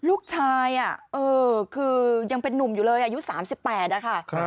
ลูกชายคือยังเป็นนุ่มอยู่เลยอายุ๓๘อะค่ะ